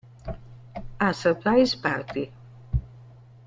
A Surprise Party